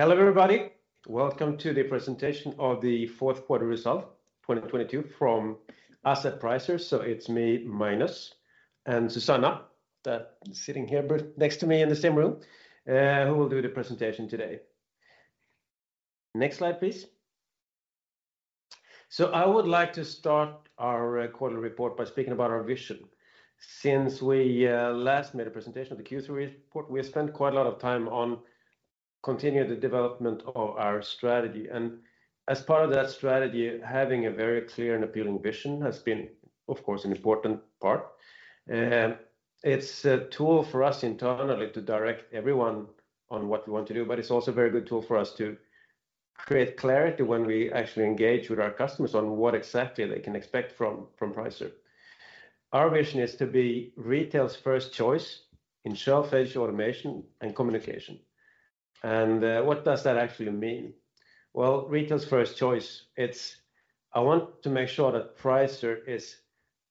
Hello, everybody. Welcome to the presentation of the fourth quarter result 2022 from Pricer. It's me, Magnus, and Susanna that sitting here next to me in the same room, who will do the presentation today. Next slide, please. I would like to start our quarterly report by speaking about our vision. Since we last made a presentation of the Q3 report, we have spent quite a lot of time on continuing the development of our strategy. As part of that strategy, having a very clear and appealing vision has been, of course, an important part. It's a tool for us internally to direct everyone on what we want to do, but it's also a very good tool for us to create clarity when we actually engage with our customers on what exactly they can expect from Pricer. Our vision is to be retail's first choice in shelf-edge automation and communication. What does that actually mean? Retail's first choice, I want to make sure that Pricer is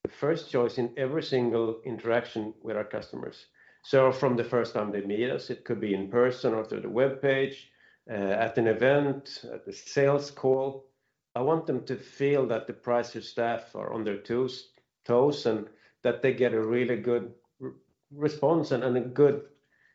the first choice in every single interaction with our customers. From the first time they meet us, it could be in person or through the webpage, at an event, at the sales call. I want them to feel that the Pricer staff are on their toes, and that they get a really good re-response and a good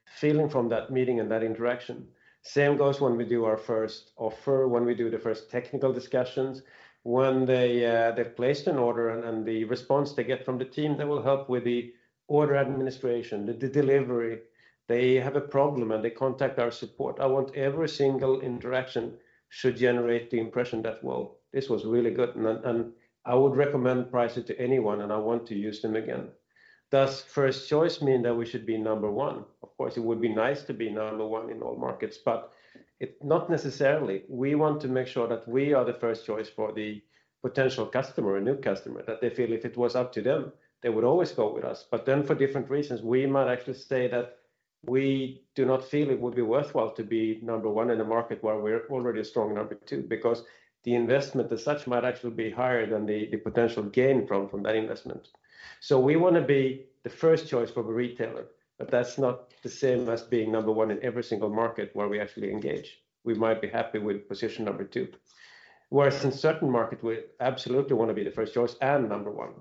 feeling from that meeting and that interaction. Same goes when we do our first offer, when we do the first technical discussions, when they've placed an order and the response they get from the team that will help with the order administration, the delivery. They have a problem, and they contact our support. I want every single interaction should generate the impression that, well, this was really good, and I would recommend Pricer to anyone, and I want to use them again. Does first choice mean that we should be number one? Of course, it would be nice to be number one in all markets. It's not necessarily. We want to make sure that we are the first choice for the potential customer or new customer, that they feel if it was up to them, they would always go with us. For different reasons, we might actually say that we do not feel it would be worthwhile to be number one in the market while we're already a strong number two because the investment as such might actually be higher than the potential gain from that investment. We wanna be the first choice for the retailer, but that's not the same as being number one in every single market where we actually engage. We might be happy with position number two. In certain markets, we absolutely wanna be the first choice and number one.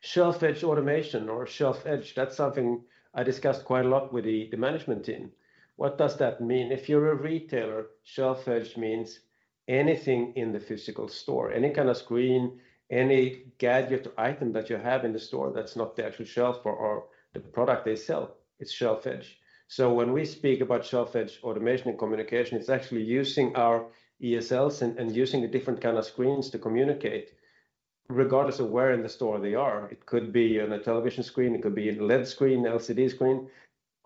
Shelf-edge automation or shelf edge, that's something I discussed quite a lot with the management team. What does that mean? If you're a retailer, shelf edge means anything in the physical store, any kind of screen, any gadget or item that you have in the store that's not the actual shelf or the product they sell, it's shelf edge. When we speak about shelf-edge automation and communication, it's actually using our ESLs and using the different kind of screens to communicate regardless of where in the store they are. It could be on a television screen, it could be in LED screen, LCD screen.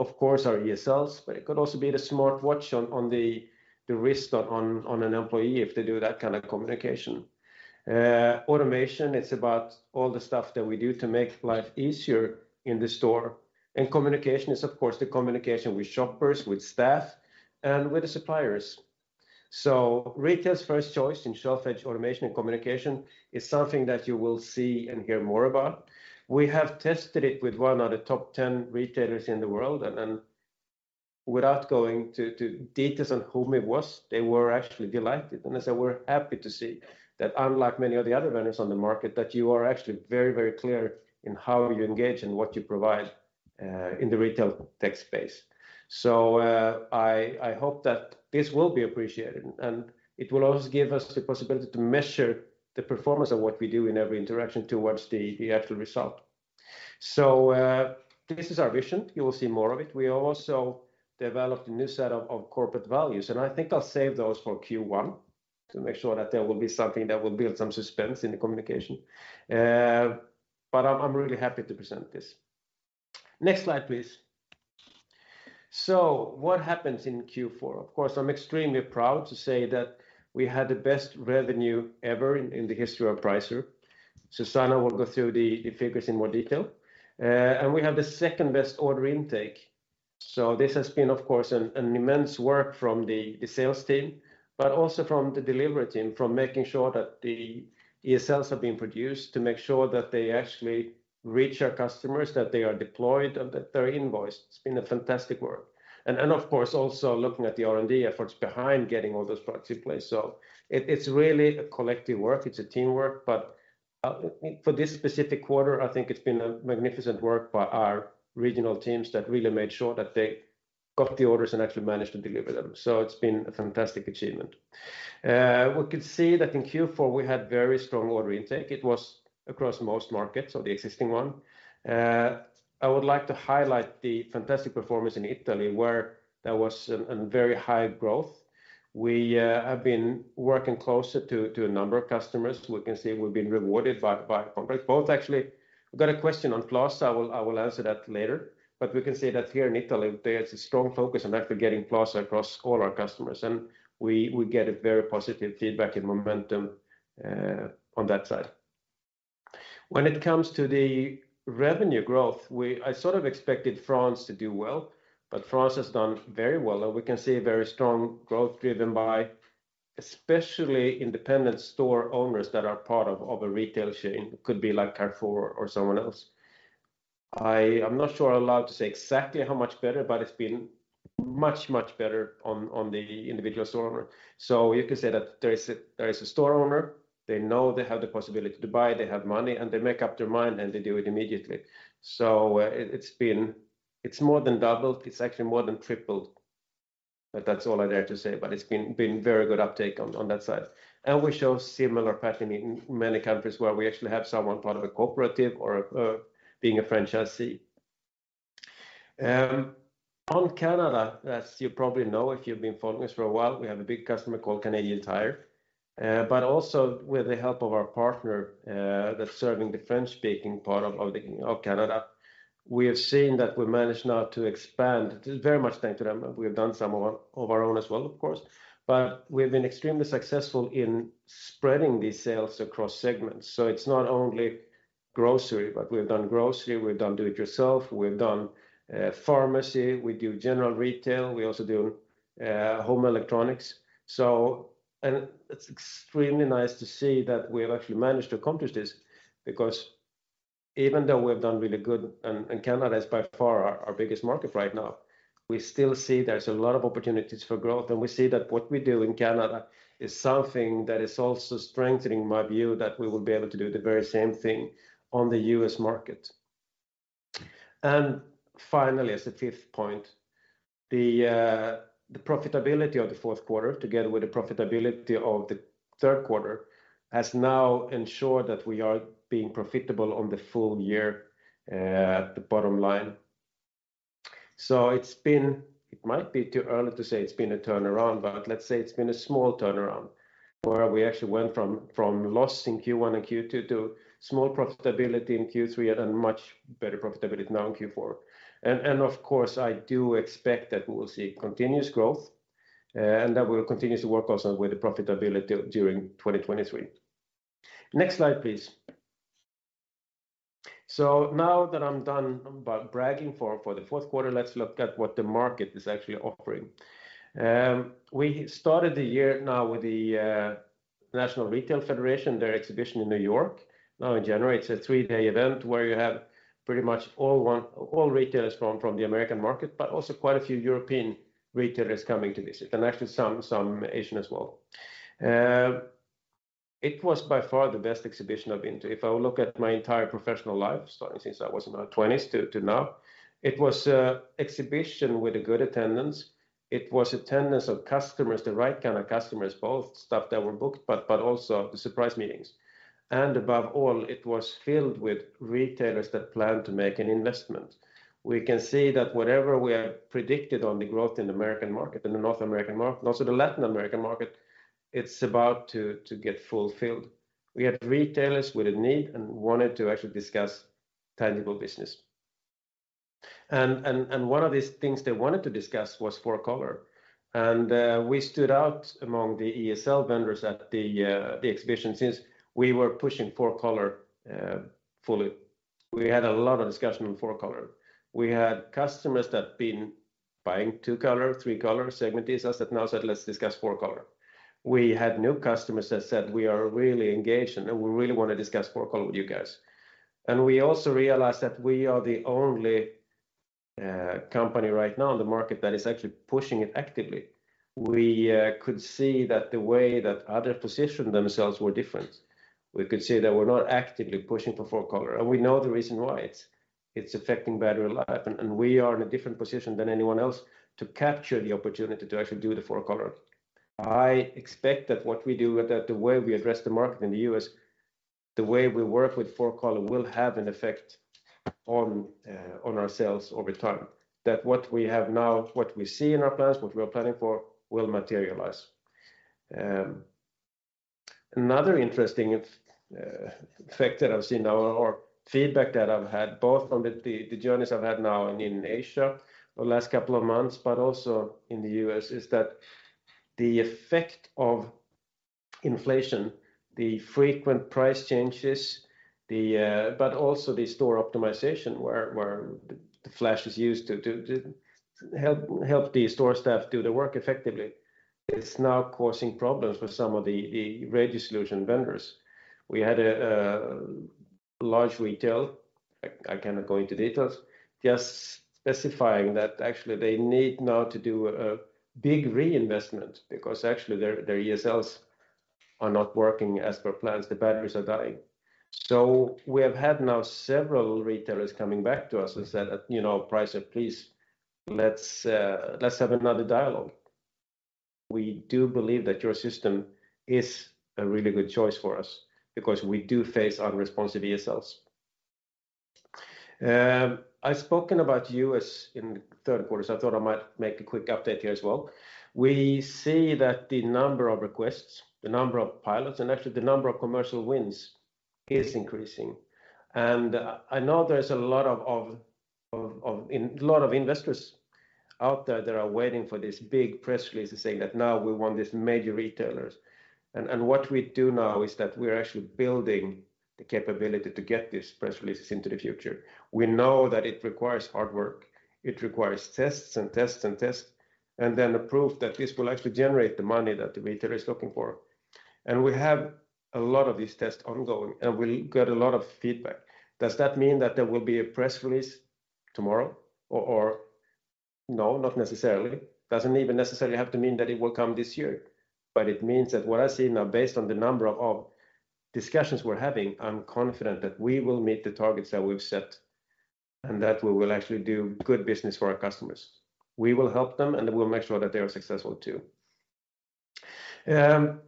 Of course, our ESLs, but it could also be the smartwatch on the wrist on an employee if they do that kind of communication. Automation, it's about all the stuff that we do to make life easier in the store. Communication is, of course, the communication with shoppers, with staff, and with the suppliers. Retail's first choice in shelf-edge automation and communication is something that you will see and hear more about. We have tested it with one of the top 10 retailers in the world, without going to details on whom it was, they were actually delighted. They said, "We're happy to see that unlike many of the other vendors on the market, that you are actually very, very clear in how you engage and what you provide in the retail tech space." I hope that this will be appreciated, and it will also give us the possibility to measure the performance of what we do in every interaction towards the actual result. This is our vision. You will see more of it. We also developed a new set of corporate values, and I think I'll save those for Q1 to make sure that there will be something that will build some suspense in the communication. But I'm really happy to present this. Next slide, please. What happens in Q4? Of course, I'm extremely proud to say that we had the best revenue ever in the history of Pricer. Susanna will go through the figures in more detail. We have the second-best order intake. This has been, of course, an immense work from the sales team, but also from the delivery team, from making sure that the ESLs have been produced, to make sure that they actually reach our customers, that they are deployed, and that they're invoiced. It's been a fantastic work. Of course, also looking at the R&D efforts behind getting all those products in place. It's really a collective work. It's a teamwork. For this specific quarter, I think it's been a magnificent work by our regional teams that really made sure that they got the orders and actually managed to deliver them. It's been a fantastic achievement. We could see that in Q4, we had very strong order intake. It was across most markets or the existing one. I would like to highlight the fantastic performance in Italy, where there was an very high growth. We have been working closer to a number of customers. We can see we've been rewarded by contracts. I've got a question on Pricer Plaza. I will answer that later. We can see that here in Italy, there's a strong focus on actually getting Pricer Plaza across all our customers, and we get a very positive feedback and momentum on that side. When it comes to the revenue growth, I sort of expected France to do well, but France has done very well. We can see a very strong growth driven by especially independent store owners that are part of a retail chain. It could be like Carrefour or someone else. I'm not sure allowed to say exactly how much better, but it's been much better on the individual store owner. You could say that there is a store owner, they know they have the possibility to buy, they have money, and they make up their mind, and they do it immediately. It's more than doubled. It's actually more than tripled. That's all I dare to say. It's been very good uptake on that side. We show similar pattern in many countries where we actually have someone part of a cooperative or being a franchisee. On Canada, as you probably know if you've been following us for a while, we have a big customer called Canadian Tire. Also with the help of our partner, that's serving the French-speaking part of the, of Canada, we have seen that we managed now to expand, very much thanks to them, and we've done some of our own as well, of course. We've been extremely successful in spreading these sales across segments. It's not only grocery, but we've done grocery, we've done do-it-yourself, we've done pharmacy, we do general retail, we also do home electronics. It's extremely nice to see that we have actually managed to accomplish this because even though we've done really good and Canada is by far our biggest market right now, we still see there's a lot of opportunities for growth. We see that what we do in Canada is something that is also strengthening my view that we will be able to do the very same thing on the U.S. market. Finally, as the fifth point, the profitability of the fourth quarter, together with the profitability of the third quarter, has now ensured that we are being profitable on the full year at the bottom line. It might be too early to say it's been a turnaround, but let's say it's been a small turnaround where we actually went from loss in Q1 and Q2 to small profitability in Q3 and a much better profitability now in Q4. Of course, I do expect that we will see continuous growth and that we will continue to work also with the profitability during 2023. Next slide, please. Now that I'm done by bragging for the fourth quarter, let's look at what the market is actually offering. We started the year now with the National Retail Federation, their exhibition in New York. Now in January, it's a 3-day event where you have pretty much all retailers from the American market, but also quite a few European retailers coming to visit, and actually some Asian as well. It was by far the best exhibition I've been to. If I look at my entire professional life, starting since I was in my 20s to now, it was a exhibition with a good attendance. It was attendance of customers, the right kind of customers, both stuff that were booked, but also the surprise meetings. Above all, it was filled with retailers that plan to make an investment. We can see that whatever we have predicted on the growth in the American market, in the North American market, and also the Latin American market, it's about to get fulfilled. We had retailers with a need and wanted to actually discuss tangible business. One of these things they wanted to discuss was four-color. We stood out among the ESL vendors at the exhibition since we were pushing four-color fully. We had a lot of discussion on four-color. We had customers that been buying two-color, three-color segment ESLs that now said, "Let's discuss four-color." We had new customers that said, "We are really engaged and we really wanna discuss four-color with you guys." We also realized that we are the only company right now in the market that is actually pushing it actively. We could see that the way that other positioned themselves were different. We could see they were not actively pushing for four-color, and we know the reason why. It's affecting battery life, and we are in a different position than anyone else to capture the opportunity to actually do the four-color. I expect that what we do with that, the way we address the market in the U.S., the way we work with four-color will have an effect on our sales over time, that what we have now, what we see in our plans, what we are planning for will materialize. Another interesting fact that I've seen now or feedback that I've had both on the journeys I've had now in Asia the last couple of months, but also in the U.S., is that the effect of inflation, the frequent price changes, the, but also the store optimization, where the flash is used to help the store staff do their work effectively, is now causing problems for some of the radio solution vendors. We had a large retail, I cannot go into details, just specifying that actually they need now to do a big reinvestment because actually their ESLs are not working as per plans. The batteries are dying. We have had now several retailers coming back to us and said, you know, "Pricer, please, let's have another dialogue. We do believe that your system is a really good choice for us because we do face unresponsive ESLs. I've spoken about U.S. in the third quarter, so I thought I might make a quick update here as well. We see that the number of requests, the number of pilots, and actually the number of commercial wins is increasing. I know there's a lot of investors out there that are waiting for this big press release to say that now we won these major retailers. What we do now is that we're actually building the capability to get these press releases into the future. We know that it requires hard work. It requires tests and tests and tests. The proof that this will actually generate the money that the retailer is looking for. We have a lot of these tests ongoing, and we'll get a lot of feedback. Does that mean that there will be a press release tomorrow or... No, not necessarily. Doesn't even necessarily have to mean that it will come this year. It means that what I see now, based on the number of discussions we're having, I'm confident that we will meet the targets that we've set and that we will actually do good business for our customers. We will help them, and we'll make sure that they are successful, too.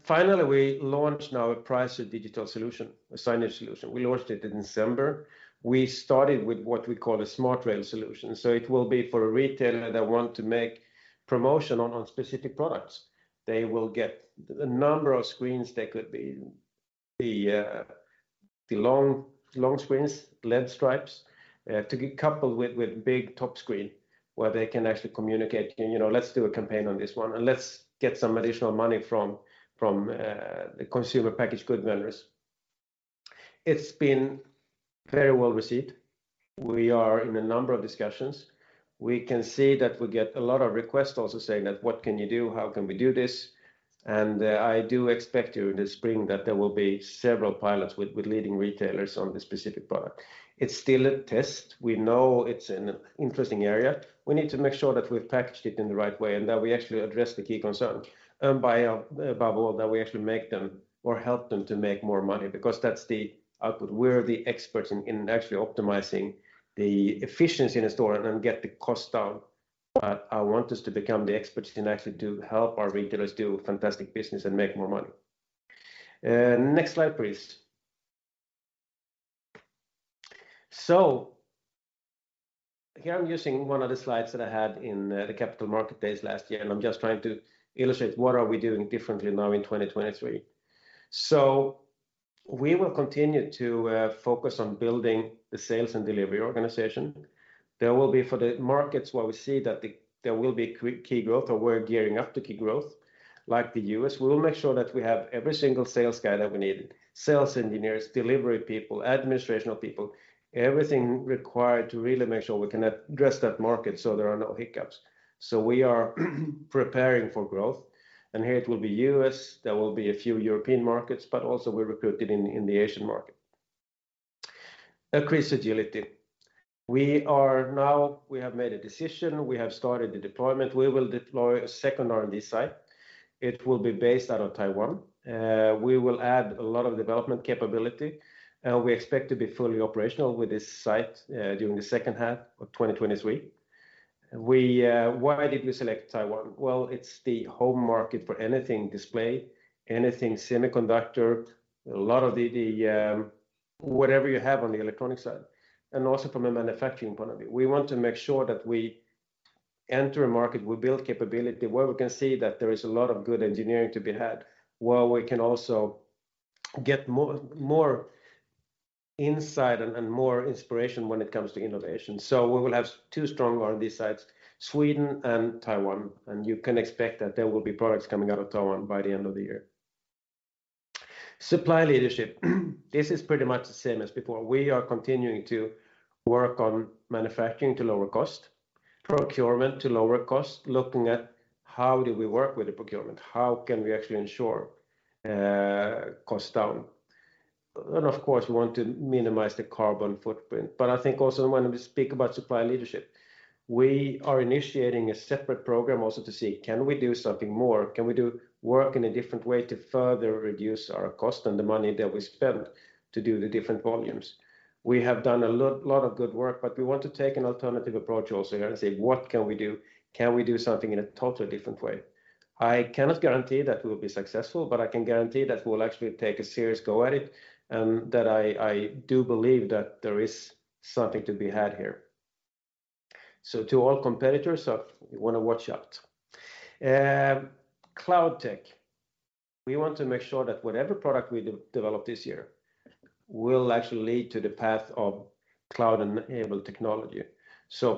Finally, we launched now a Pricer digital solution, a signage solution. We launched it in December. We started with what we call a smart rail solution. It will be for a retailer that want to make promotion on specific products. They will get a number of screens that could be the long screens, LED stripes, to get coupled with big top screen where they can actually communicate. You know, let's do a campaign on this one, and let's get some additional money from the consumer packaged good vendors. It's been very well received. We are in a number of discussions. We can see that we get a lot of requests also saying that, "What can you do? How can we do this?" I do expect during the spring that there will be several pilots with leading retailers on this specific product. It's still a test. We know it's an interesting area. We need to make sure that we've packaged it in the right way and that we actually address the key concern. By above all, that we actually make them or help them to make more money because that's the output. We're the experts in actually optimizing the efficiency in a store and then get the cost down. I want us to become the experts and actually help our retailers do fantastic business and make more money. Next slide, please. Here I'm using one of the slides that I had in the Capital Markets Day last year, and I'm just trying to illustrate what are we doing differently now in 2023. We will continue to focus on building the sales and delivery organization. There will be for the markets where we see that there will be key growth or we're gearing up to key growth, like the US. We will make sure that we have every single sales guy that we need, sales engineers, delivery people, administrational people, everything required to really make sure we can address that market so there are no hiccups. We are preparing for growth, and here it will be U.S. There will be a few European markets, but also we're recruiting in the Asian market. Increased agility. We have made a decision. We have started the deployment. We will deploy a second R&D site. It will be based out of Taiwan. We will add a lot of development capability. We expect to be fully operational with this site during the second half of 2023. Why did we select Taiwan? It's the home market for anything display, anything semiconductor, a lot of the, whatever you have on the electronic side, and also from a manufacturing point of view. We want to make sure that we enter a market, we build capability where we can see that there is a lot of good engineering to be had, where we can also get more insight and more inspiration when it comes to innovation. We will have two strong R&D sites, Sweden and Taiwan, and you can expect that there will be products coming out of Taiwan by the end of the year. Supply leadership. This is pretty much the same as before. We are continuing to work on manufacturing to lower cost, procurement to lower cost, looking at how do we work with the procurement, how can we actually ensure cost down. Of course, we want to minimize the carbon footprint. I think also when we speak about supply leadership, we are initiating a separate program also to see, can we do something more? Can we do work in a different way to further reduce our cost and the money that we spend to do the different volumes? We have done a lot of good work, but we want to take an alternative approach also here and say, "What can we do? Can we do something in a totally different way?" I cannot guarantee that we'll be successful, but I can guarantee that we'll actually take a serious go at it, and that I do believe that there is something to be had here. To all competitors, you wanna watch out. cloud tech. We want to make sure that whatever product we develop this year will actually lead to the path of cloud-enabled technology.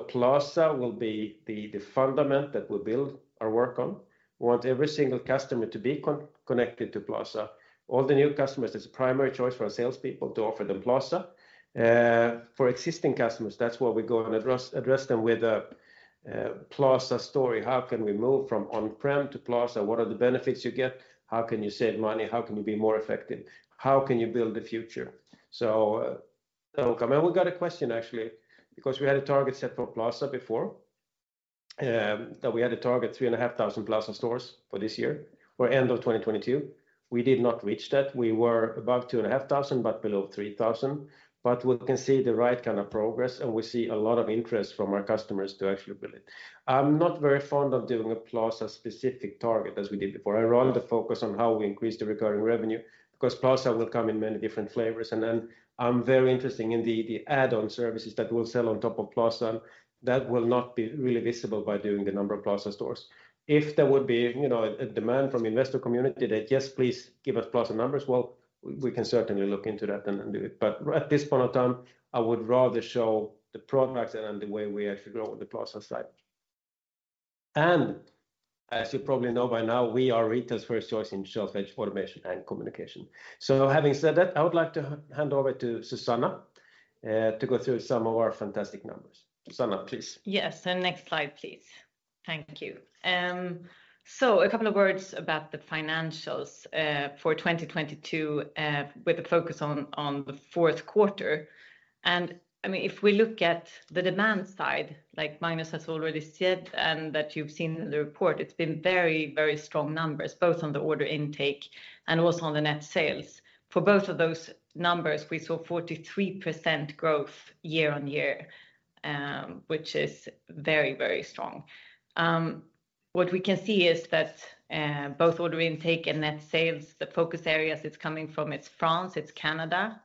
Plaza will be the fundament that we build our work on. We want every single customer to be connected to Plaza. All the new customers, it's a primary choice for our salespeople to offer them Plaza. For existing customers, that's where we go and address them with a Plaza story. How can we move from on-prem to Plaza? What are the benefits you get? How can you save money? How can you be more effective? How can you build the future? That will come out. We got a question, actually, because we had a target set for Plaza before, that we had a target 3,500 Plaza stores for this year or end of 2022. We did not reach that. We were above 2,500 but below 3,000. We can see the right kind of progress, and we see a lot of interest from our customers to actually build it. I'm not very fond of doing a Pricer Plaza-specific target as we did before. I'd rather focus on how we increase the recurring revenue because Pricer Plaza will come in many different flavors. I'm very interested in the add-on services that we'll sell on top of Pricer Plaza. That will not be really visible by doing the number of Pricer Plaza stores. If there would be, you know, a demand from investor community that, "Yes, please give us Pricer Plaza numbers," well, we can certainly look into that and do it. At this point of time, I would rather show the products and the way we actually grow the Plaza side. As you probably know by now, we are retail's first choice in shelf-edge automation and communication. Having said that, I would like to hand over to Susanna to go through some of our fantastic numbers. Susanna, please. Yes. Next slide, please. Thank you. A couple of words about the financials for 2022, with a focus on the fourth quarter. If we look at the demand side, Magnus has already said and that you've seen in the report, it's been very, very strong numbers, both on the order intake and also on the net sales. For both of those numbers, we saw 43% growth year-on-year, which is very, very strong. What we can see is that both order intake and net sales, the focus areas it's coming from, it's France, it's Canada,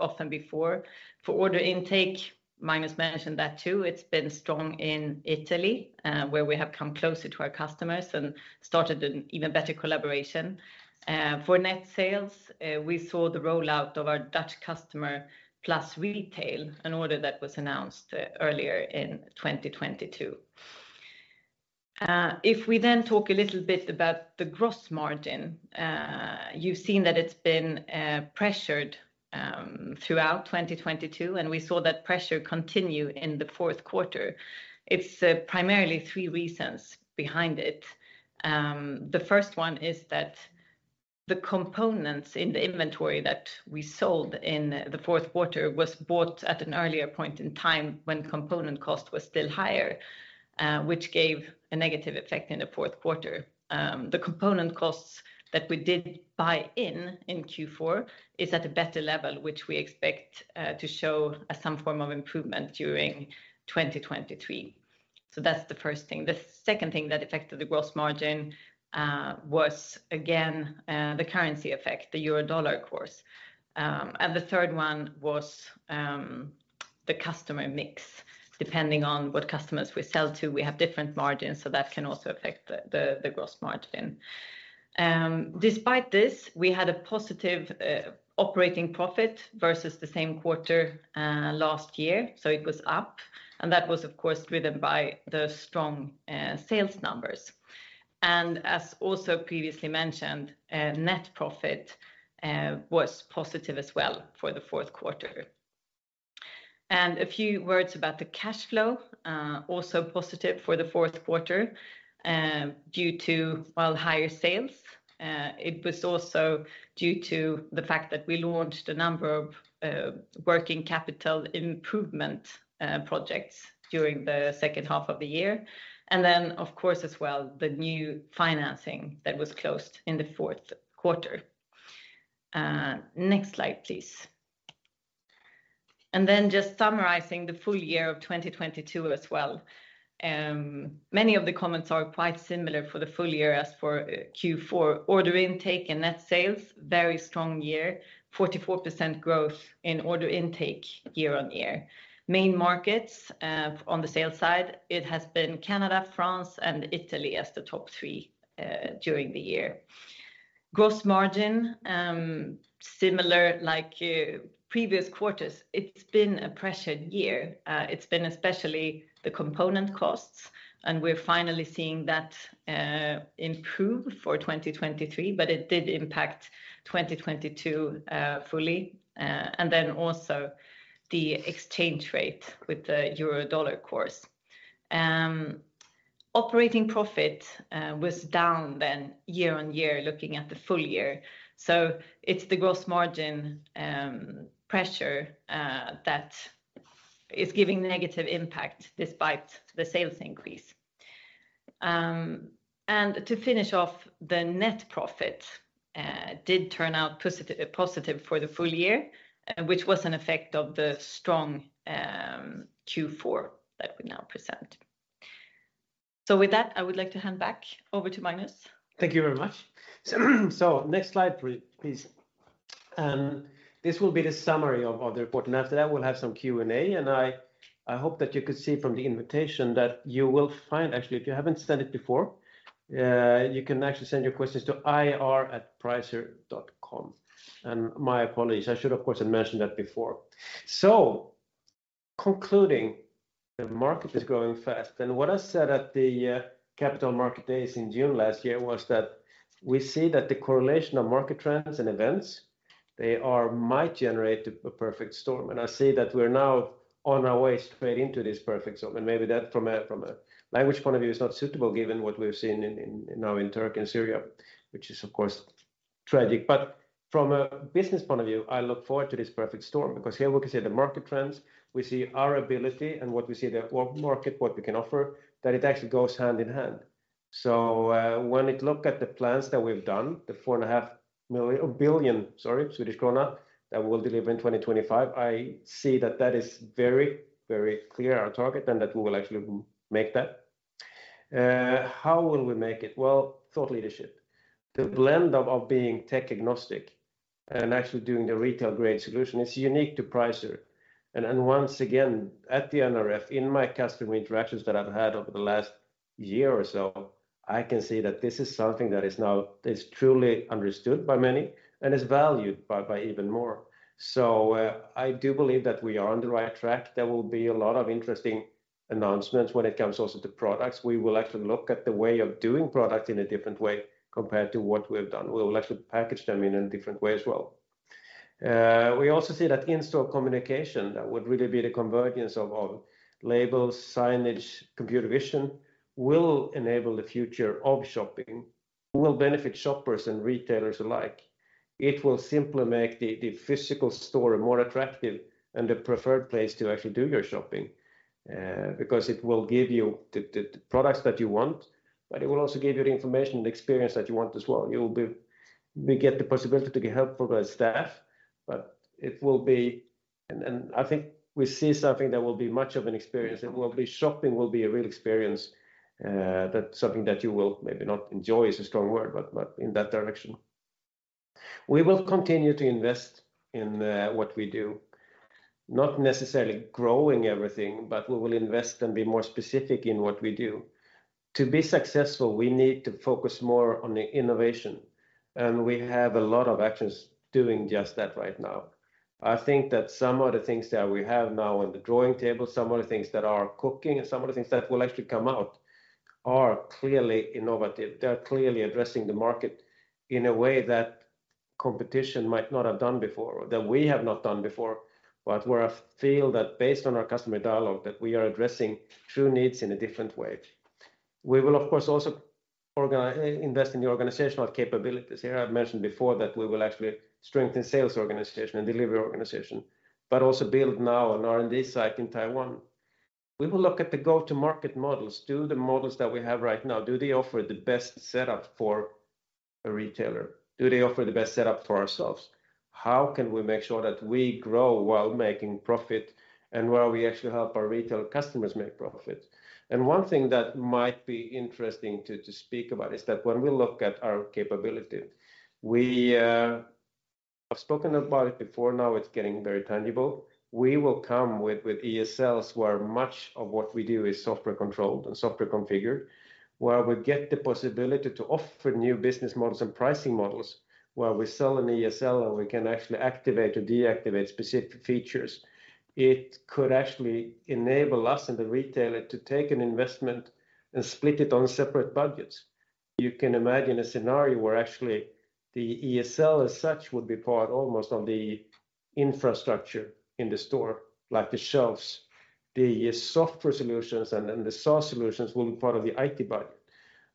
often before. For order intake, Magnus mentioned that too, it's been strong in Italy, where we have come closer to our customers and started an even better collaboration. For net sales, we saw the rollout of our Dutch customer, PLUS Retail, an order that was announced earlier in 2022. If we then talk a little bit about the gross margin, you've seen that it's been pressured throughout 2022. We saw that pressure continue in the fourth quarter. It's primarily 3 reasons behind it. The first one is that the components in the inventory that we sold in the fourth quarter was bought at an earlier point in time when component cost was still higher, which gave a negative effect in the fourth quarter. The component costs that we did buy in Q4 is at a better level, which we expect to show some form of improvement during 2023. That's the first thing. The second thing that affected the gross margin was again the currency effect, the euro-dollar course. The third one was the customer mix. Depending on what customers we sell to, we have different margins, so that can also affect the gross margin. Despite this, we had a positive operating profit versus the same quarter last year, so it was up. That was, of course, driven by the strong sales numbers. As also previously mentioned, net profit was positive as well for the fourth quarter. A few words about the cash flow, also positive for the fourth quarter due to, well, higher sales. It was also due to the fact that we launched a number of working capital improvement projects during the second half of the year. Of course as well, the new financing that was closed in the fourth quarter. Next slide, please. Just summarizing the full year of 2022 as well. Many of the comments are quite similar for the full year as for Q4. Order intake and net sales, very strong year. 44% growth in order intake year-on-year. Main markets, on the sales side, it has been Canada, France, and Italy as the top three during the year. Gross margin, similar like previous quarters. It's been a pressured year. It's been especially the component costs, and we're finally seeing that improve for 2023, but it did impact 2022 fully. Also the exchange rate with the euro-dollar course. Operating profit was down year-on-year, looking at the full year. It's the gross margin pressure that is giving negative impact despite the sales increase. To finish off, the net profit did turn out positive for the full year, which was an effect of the strong Q4 that we now present. With that, I would like to hand back over to Magnus. Thank you very much. Next slide, please. This will be the summary of the report. After that, we'll have some Q&A. I hope that you could see from the invitation. Actually, if you haven't sent it before, you can actually send your questions to ir@pricer.com. My apologies. I should, of course, have mentioned that before. Concluding, the market is growing fast. What I said at the Capital Markets Day in June last year was that we see that the correlation of market trends and events might generate a perfect storm. I say that we're now on our way straight into this perfect storm. Maybe that from a, from a language point of view is not suitable, given what we've seen in now in Turkey and Syria, which is, of course, tragic. From a business point of view, I look forward to this perfect storm because here we can see the market trends, we see our ability, and what we see the market, what we can offer, that it actually goes hand in hand. When it looked at the plans that we've done, the 4.5 billion SEK that we'll deliver in 2025, I see that that is very, very clear our target and that we will actually make that. How will we make it? Well, thought leadership. The blend of being tech agnostic and actually doing the retail grade solution is unique to Pricer. Once again, at the NRF, in my customer interactions that I've had over the last year or so, I can see that this is something that is now truly understood by many and is valued by even more. I do believe that we are on the right track. There will be a lot of interesting announcements when it comes also to products. We will actually look at the way of doing product in a different way compared to what we have done. We will actually package them in a different way as well. We also see that in-store communication, that would really be the convergence of labels, signage, computer vision, will enable the future of shopping, will benefit shoppers and retailers alike. It will simply make the physical store more attractive and the preferred place to actually do your shopping, because it will give you the, the products that you want, but it will also give you the information and experience that you want as well. You'll get the possibility to be helped by staff, but it will be and I think we see something that will be much of an experience. Shopping will be a real experience, that's something that you will maybe not enjoy is a strong word, but in that direction. We will continue to invest in what we do, not necessarily growing everything, but we will invest and be more specific in what we do. To be successful, we need to focus more on the innovation, and we have a lot of actions doing just that right now. I think that some of the things that we have now on the drawing table, some of the things that are cooking, and some of the things that will actually come out are clearly innovative. They're clearly addressing the market in a way that competition might not have done before or that we have not done before. Where I feel that based on our customer dialogue, that we are addressing true needs in a different way. We will of course also invest in the organizational capabilities here. I've mentioned before that we will actually strengthen sales organization and delivery organization, but also build now an R&D site in Taiwan. We will look at the go-to-market models. Do the models that we have right now, do they offer the best setup for a retailer? Do they offer the best setup for ourselves? How can we make sure that we grow while making profit and where we actually help our retail customers make profit? One thing that might be interesting to speak about is that when we look at our capability, we, I've spoken about it before, now it's getting very tangible. We will come with ESLs where much of what we do is software controlled and software configured, where we get the possibility to offer new business models and pricing models where we sell an ESL, and we can actually activate or deactivate specific features. It could actually enable us and the retailer to take an investment and split it on separate budgets. You can imagine a scenario where actually the ESL as such would be part almost of the infrastructure in the store, like the shelves. The software solutions and the source solutions will be part of the IT budget.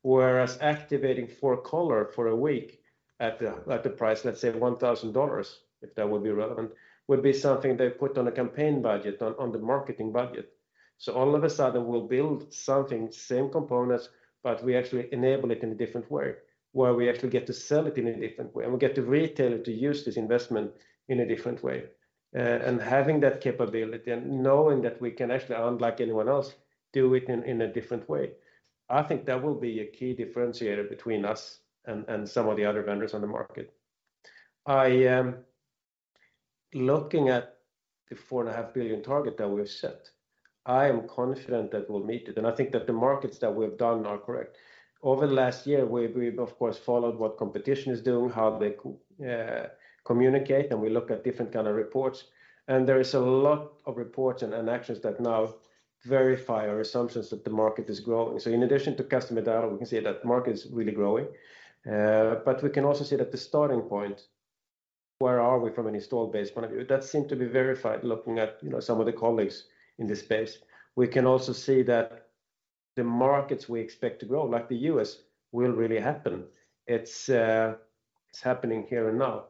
Whereas activating four-color for a week at the price, let's say $1,000, if that would be relevant, would be something they put on a campaign budget, on the marketing budget. All of a sudden we'll build something, same components, but we actually enable it in a different way, where we actually get to sell it in a different way, and we get the retailer to use this investment in a different way. And having that capability and knowing that we can actually, unlike anyone else, do it in a different way. I think that will be a key differentiator between us and some of the other vendors on the market. I am looking at the four and a half billion SEK target that we've set. I am confident that we'll meet it, and I think that the markets that we've done are correct. Over the last year, we've of course followed what competition is doing, how they communicate, and we look at different kind of reports, and there is a lot of reports and actions that now verify our assumptions that the market is growing. In addition to customer data, we can see that market is really growing, but we can also see that the starting point, where are we from an install base point of view, that seemed to be verified looking at, you know, some of the colleagues in this space. We can also see that the markets we expect to grow, like the US, will really happen. It's happening here and now.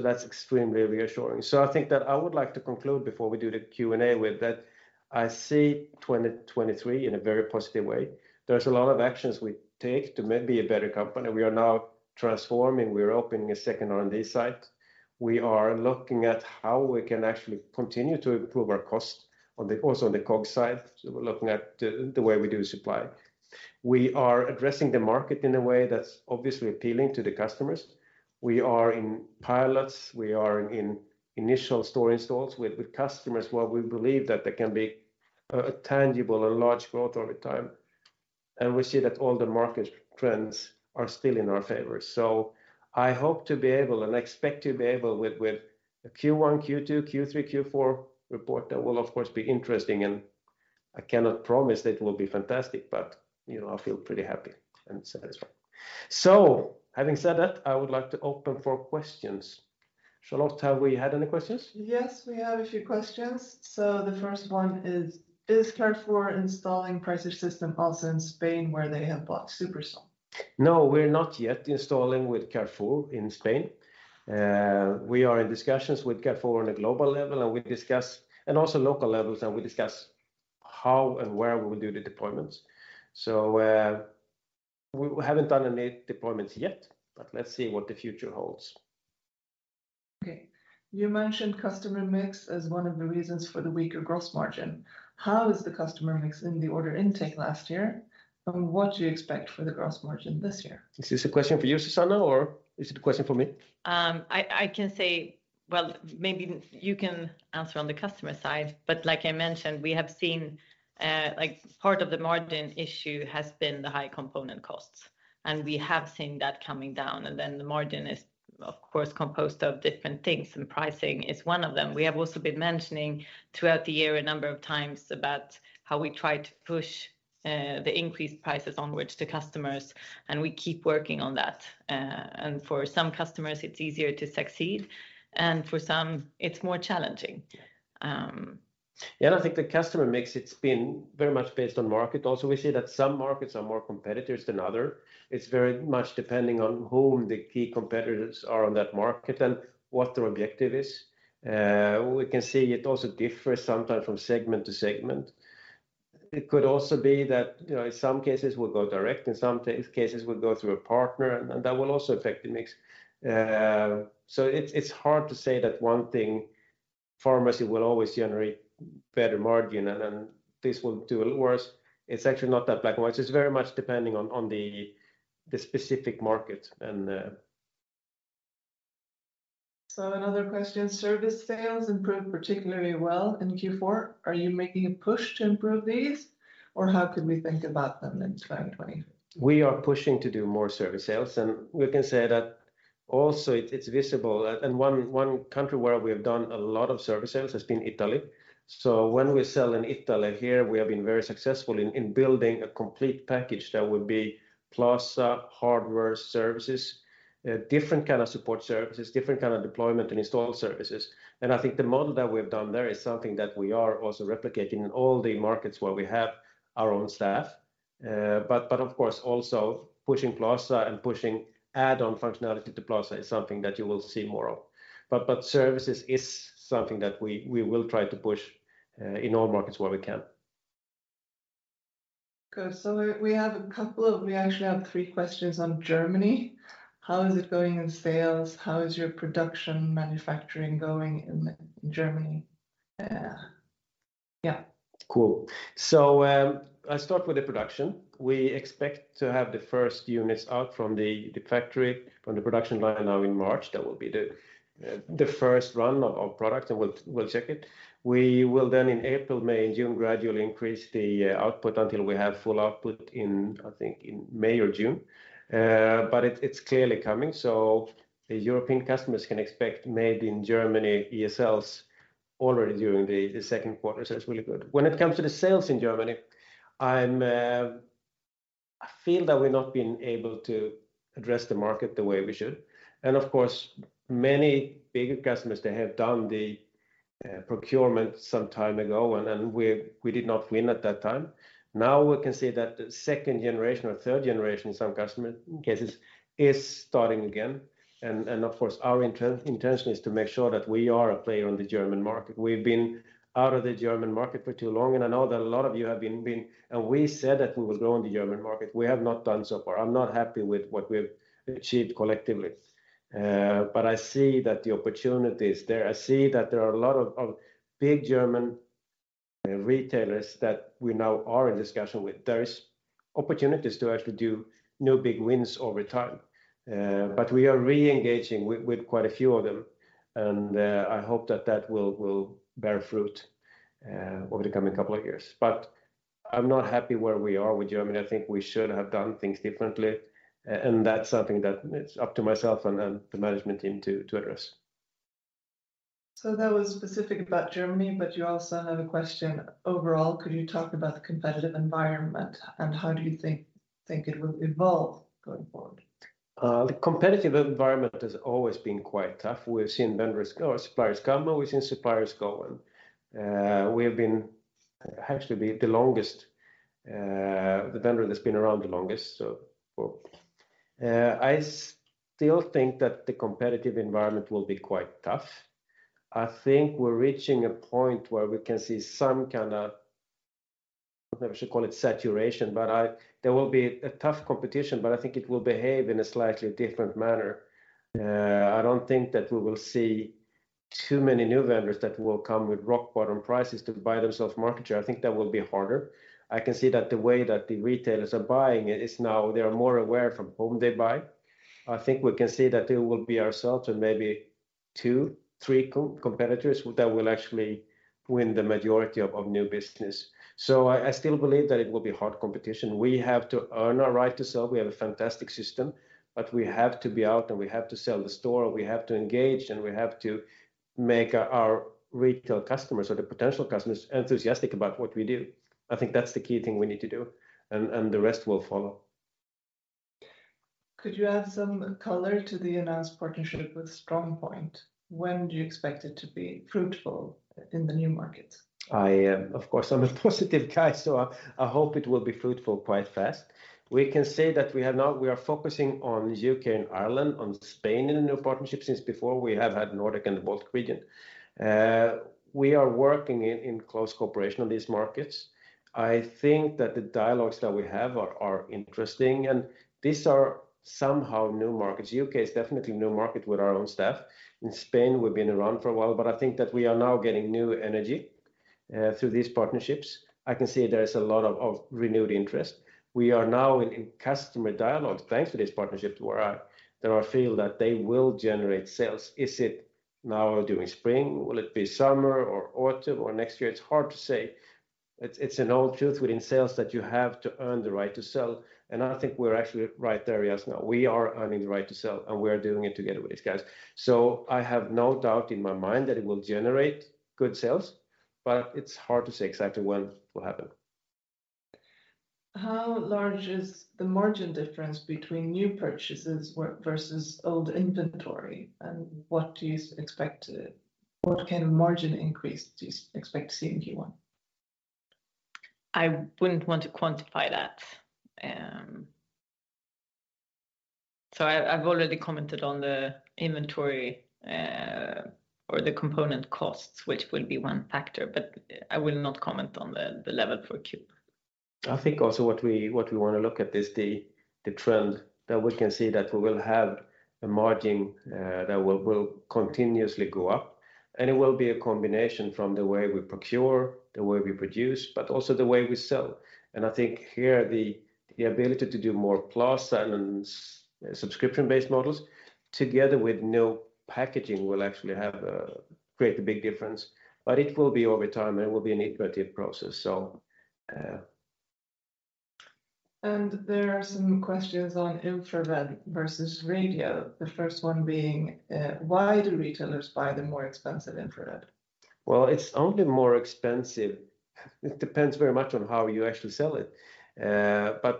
That's extremely reassuring. I think that I would like to conclude before we do the Q&A with that I see 2023 in a very positive way. There's a lot of actions we take to maybe a better company. We are now transforming. We're opening a second R&D site. We are looking at how we can actually continue to improve our cost also on the COGS side. We're looking at the way we do supply. We are addressing the market in a way that's obviously appealing to the customers. We are in pilots. We are in initial store installs with customers where we believe that there can be a tangible and large growth over time. We see that all the market trends are still in our favor. I hope to be able and expect to be able with a Q1, Q2, Q3, Q4 report. That will of course be interesting, and I cannot promise that it will be fantastic, but, you know, I feel pretty happy and satisfied. Having said that, I would like to open for questions. Charlotte, have we had any questions? Yes, we have a few questions. The first one is, "Is Carrefour installing Pricer system also in Spain where they have bought Supersol? No, we're not yet installing with Carrefour in Spain. We are in discussions with Carrefour on a global level, and also local levels, and we discuss how and where we will do the deployments. We haven't done any deployments yet, but let's see what the future holds. Okay. You mentioned customer mix as one of the reasons for the weaker gross margin. How is the customer mix in the order intake last year, and what do you expect for the gross margin this year? Is this a question for you, Susanna, or is it a question for me? I can say, well, maybe you can answer on the customer side, but like I mentioned, we have seen, like part of the margin issue has been the high component costs, and we have seen that coming down, and then the margin is. Of course, composed of different things, and pricing is one of them. We have also been mentioning throughout the year a number of times about how we try to push the increased prices onwards to customers, and we keep working on that. For some customers it's easier to succeed, and for some it's more challenging. Yeah, I think the customer mix, it's been very much based on market. We see that some markets are more competitors than other. It's very much depending on whom the key competitors are on that market and what their objective is. We can see it also differs sometimes from segment to segment. It could also be that, you know, in some cases we'll go direct, in some cases we'll go through a partner, and that will also affect the mix. It's, it's hard to say that one thing, pharmacy will always generate better margin and then this will do a little worse. It's actually not that black and white. It's very much depending on the specific market and. Another question. Service sales improved particularly well in Q4. Are you making a push to improve these or how could we think about them in 2020? We are pushing to do more service sales and we can say that also it's visible. One country where we have done a lot of service sales has been Italy. When we sell in Italy, here we have been very successful in building a complete package that will be Pricer Plaza hardware services, different kind of support services, different kind of deployment and install services. I think the model that we have done there is something that we are also replicating in all the markets where we have our own staff. But of course also pushing Pricer Plaza and pushing add-on functionality to Pricer Plaza is something that you will see more of. But services is something that we will try to push in all markets where we can. Good. We have a couple of... We actually have three questions on Germany. How is it going in sales? How is your production manufacturing going in Germany? Cool. I start with the production. We expect to have the 1st units out from the factory, from the production line now in March. That will be the 1st run of product and we'll check it. We will then in April, May, and June gradually increase the output until we have full output in, I think in May or June. But it's clearly coming, so the European customers can expect made in Germany ESLs already during the 2nd quarter. It's really good. When it comes to the sales in Germany, I feel that we've not been able to address the market the way we should. Of course, many bigger customers, they have done the procurement some time ago and we did not win at that time. Now we can see that the second generation or third generation in some customer cases is starting again. Of course our intention is to make sure that we are a player on the German market. We've been out of the German market for too long, and I know that a lot of you have been. We said that we would grow in the German market. We have not done so far. I'm not happy with what we've achieved collectively. I see that the opportunity is there. I see that there are a lot of big German retailers that we now are in discussion with. There is opportunities to actually do new big wins over time. We are re-engaging with quite a few of them and, I hope that that will bear fruit, over the coming couple of years. I'm not happy where we are with Germany. I think we should have done things differently. And that's something that it's up to myself and the management team to address. That was specific about Germany, but you also have a question. Overall, could you talk about the competitive environment and how do you think it will evolve going forward? The competitive environment has always been quite tough. We've seen vendors or suppliers come and we've seen suppliers go, we have been actually the longest, the vendor that's been around the longest. I still think that the competitive environment will be quite tough. I think we're reaching a point where we can see some kind of, I don't know if I should call it saturation, there will be a tough competition, but I think it will behave in a slightly different manner. I don't think that we will see too many new vendors that will come with rock bottom prices to buy themselves market share. I think that will be harder. I can see that the way that the retailers are buying it is now they are more aware from whom they buy. I think we can see that it will be ourselves and maybe two, three competitors that will actually win the majority of new business. I still believe that it will be hard competition. We have to earn our right to sell. We have a fantastic system, but we have to be out and we have to sell the store, we have to engage, and we have to make our retail customers or the potential customers enthusiastic about what we do. I think that's the key thing we need to do and the rest will follow. Could you add some color to the announced partnership with StrongPoint? When do you expect it to be fruitful in the new markets? I, of course I'm a positive guy, I hope it will be fruitful quite fast. We can say that we are focusing on the UK and Ireland, on Spain in the new partnership, since before we have had Nordic and the Baltic region. We are working in close cooperation on these markets. I think that the dialogues that we have are interesting, these are somehow new markets. U.K. is definitely new market with our own staff. In Spain, we've been around for a while, I think that we are now getting new energy through these partnerships. I can see there is a lot of renewed interest. We are now in customer dialogue thanks to this partnership to where I feel that they will generate sales. Is it now during spring? Will it be summer or autumn or next year? It's hard to say. It's an old truth within sales that you have to earn the right to sell, and I think we're actually right there as now. We are earning the right to sell, and we are doing it together with these guys. I have no doubt in my mind that it will generate good sales, but it's hard to say exactly when it will happen. How large is the margin difference between new purchases versus old inventory? What kind of margin increase do you expect to see in Q1? I wouldn't want to quantify that. I've already commented on the inventory, or the component costs, which will be one factor. I will not comment on the level for Q. I think also what we wanna look at is the trend that we can see that we will have a margin that will continuously go up, and it will be a combination from the way we procure, the way we produce, but also the way we sell. I think here, the ability to do more Plaza SaaS, subscription-based models together with no packaging will actually create a big difference. It will be over time, and it will be an iterative process. There are some questions on infrared versus radio. The first one being, why do retailers buy the more expensive infrared? Well, it's only more expensive. It depends very much on how you actually sell it.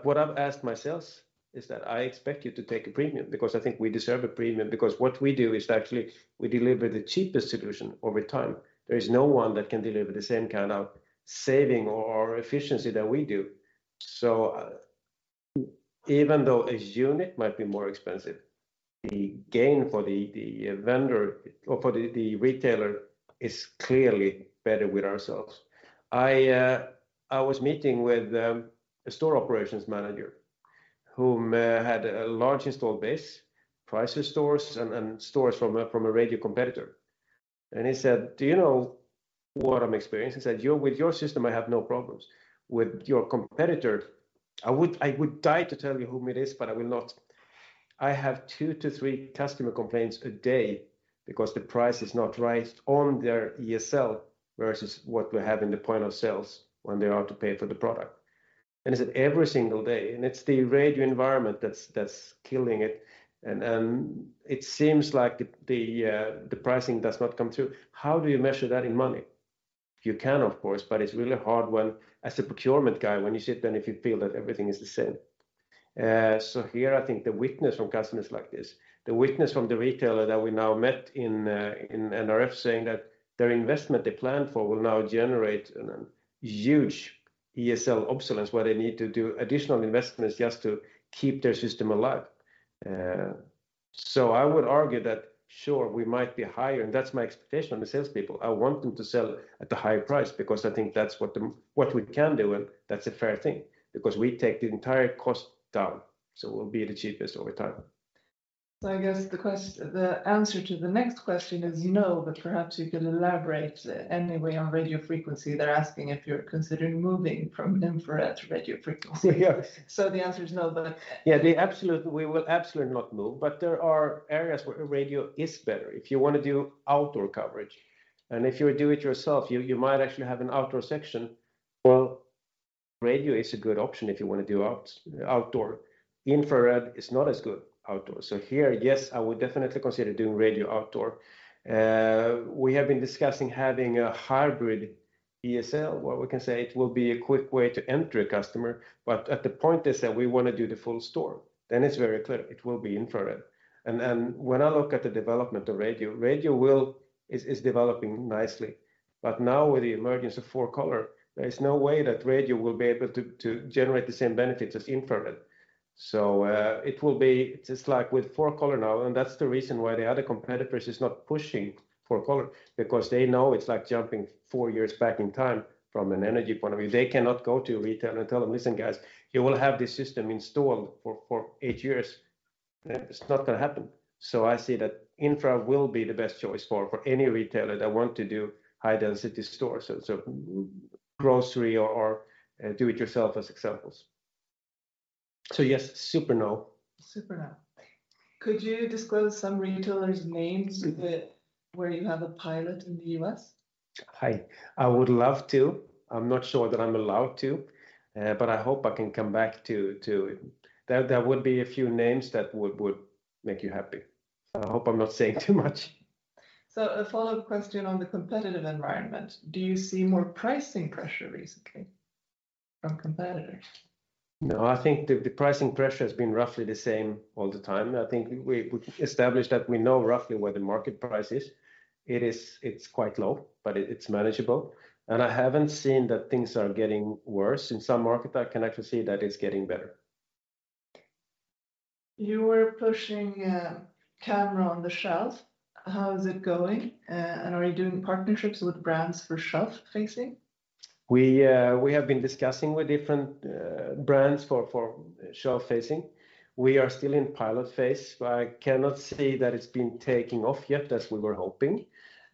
What I've asked my sales is that I expect you to take a premium because I think we deserve a premium because what we do is actually we deliver the cheapest solution over time. There is no one that can deliver the same kind of saving or efficiency that we do. Even though a unit might be more expensive, the gain for the vendor or for the retailer is clearly better with ourselves. I was meeting with a store operations manager whom had a large installed base, Pricer's stores and stores from a radio competitor. He said, "Do you know what I'm experiencing?" He said, "With your system, I have no problems. With your competitor," I would die to tell you whom it is, but I will not. "I have 2 to 3 customer complaints a day because the price is not right on their ESL versus what we have in the point of sales when they are to pay for the product." He said, "Every single day." It's the radio environment that's killing it. It seems like the pricing does not come through. How do you measure that in money? You can, of course, but it's really hard when, as a procurement guy, when you sit then if you feel that everything is the same. Here, I think the witness from customers like this, the witness from the retailer that we now met in NRF saying that their investment they planned for will now generate an huge ESL obsolescence where they need to do additional investments just to keep their system alive. I would argue that sure, we might be higher, and that's my expectation on the salespeople. I want them to sell at a higher price because I think that's what we can do, and that's a fair thing because we take the entire cost down, so we'll be the cheapest over time. I guess the answer to the next question is no, but perhaps you could elaborate anyway on radio frequency. They're asking if you're considering moving from infrared to radio frequency. Yeah. The answer is no. Yeah, we will absolutely not move, there are areas where radio is better. If you wanna do outdoor coverage, and if you do it yourself, you might actually have an outdoor section. Well, radio is a good option if you wanna do outdoor. Infrared is not as good outdoors. Here, yes, I would definitely consider doing radio outdoor. We have been discussing having a hybrid ESL, where we can say it will be a quick way to enter a customer. At the point is that we wanna do the full store, then it's very clear it will be infrared. When I look at the development of radio is developing nicely. Now with the emergence of four-color, there is no way that radio will be able to generate the same benefits as infrared. It will be just like with four-color now, that's the reason why the other competitors is not pushing four-color because they know it's like jumping four years back in time from an energy point of view. They cannot go to a retailer and tell them, "Listen, guys, you will have this system installed for eight years." It's not gonna happen. I see that infra will be the best choice for any retailer that want to do high-density stores, so grocery or do it yourself as examples. Yes, super no. Super no. Could you disclose some retailers' names that where you have a pilot in the U.S.? I would love to. I'm not sure that I'm allowed to, but I hope I can come back to. There would be a few names that would make you happy. I hope I'm not saying too much. A follow-up question on the competitive environment. Do you see more pricing pressure recently from competitors? No, I think the pricing pressure has been roughly the same all the time. I think we established that we know roughly where the market price is. It's quite low, but it's manageable. I haven't seen that things are getting worse. In some market, I can actually see that it's getting better. You were pushing a camera on the shelf. How is it going? Are you doing partnerships with brands for shelf facing? We have been discussing with different brands for shelf facing. We are still in pilot phase. I cannot say that it's been taking off yet as we were hoping.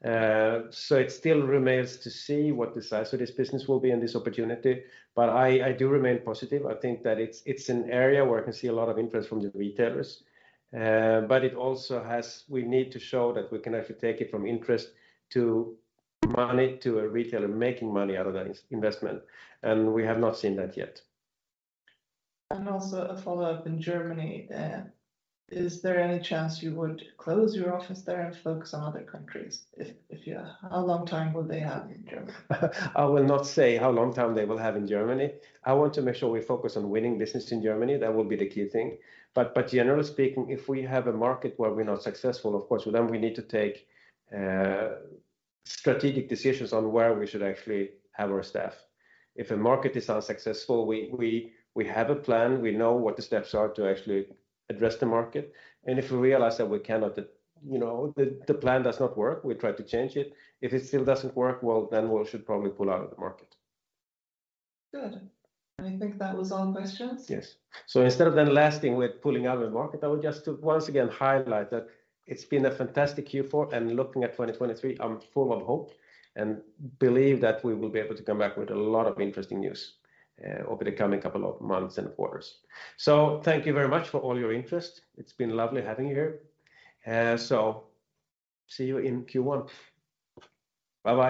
It still remains to see what the size of this business will be and this opportunity. I do remain positive. I think that it's an area where I can see a lot of interest from the retailers. We need to show that we can actually take it from interest to money to a retailer making money out of that investment, and we have not seen that yet. Also a follow-up in Germany. Is there any chance you would close your office there and focus on other countries? How long time will they have in Germany? I will not say how long time they will have in Germany. I want to make sure we focus on winning business in Germany. That will be the key thing. Generally speaking, if we have a market where we're not successful, of course, well, then we need to take strategic decisions on where we should actually have our staff. If a market is unsuccessful, we have a plan. We know what the steps are to actually address the market. If we realize that we cannot, you know, the plan does not work, we try to change it. If it still doesn't work, well, then we should probably pull out of the market. Good. I think that was all questions. Yes. Instead of then lasting with pulling out of the market, I would just to once again highlight that it's been a fantastic Q4, and looking at 2023, I'm full of hope and believe that we will be able to come back with a lot of interesting news, over the coming couple of months and quarters. Thank you very much for all your interest. It's been lovely having you here. See you in Q1. Bye-bye.